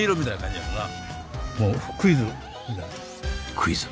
クイズ。